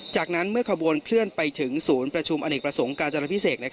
จากนั้นเมื่อขบวนเคลื่อนไปถึงศูนย์ประชุมอเนกประสงค์การจนาพิเศษ